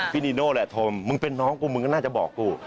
นีโน่แหละโทรมึงเป็นน้องกูมึงก็น่าจะบอกกู